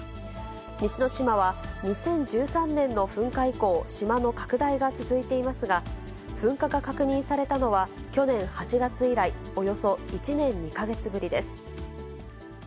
西之島は２０１３年の噴火以降、島の拡大が続いていますが、噴火が確認されたのは去年８月以来、およそ１年２か月ぶりです。